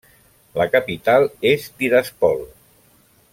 La capital és Tiraspol.